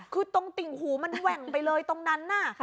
คือตรงติ่งหูมันแหว่งไปเลยตรงนั้นน่ะ